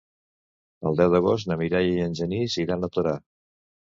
El deu d'agost na Mireia i en Genís iran a Torà.